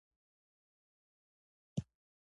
مور یې د څراغ په پاکولو او موږلو پیل وکړ.